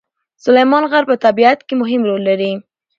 سلیمان غر په طبیعت کې مهم رول لري.